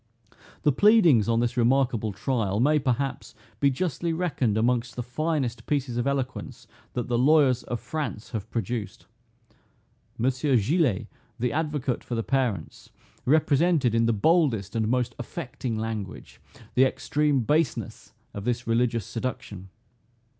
The pleadings on this remarkable trial may, perhaps, be justly reckoned amongst the finest pieces of eloquence that the lawyers of France have produced. Monsieur Gillet, the advocate for the parents, represented, in the boldest and most affecting language, the extreme baseness of this religious seduction.